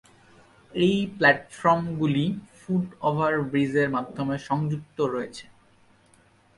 এই প্ল্যাটফর্মগুলি foot over ব্রিজের মাধ্যমে সংযুক্ত রয়েছে।